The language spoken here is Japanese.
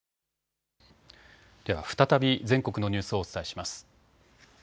再び全国のニュースをお伝えします。